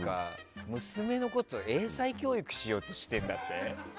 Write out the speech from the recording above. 娘のこと英才教育しようとしてるんだって。